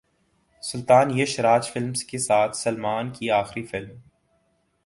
سلطان Yash Raj films کے ساتھ سلمان کی اخری فلم